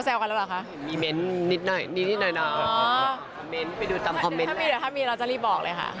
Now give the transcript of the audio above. ถ้ามีแล้วเราจะรีบบอกเลยค่ะ